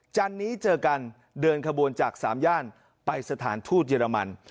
จันนี้เจอกันเดินขบวนจากสามย่านไปสถานทูตเยอรมัน